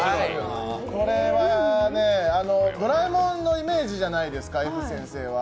これは「ドラえもん」のイメージじゃないですかＦ先生は。